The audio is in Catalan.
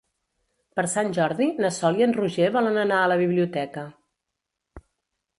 Per Sant Jordi na Sol i en Roger volen anar a la biblioteca.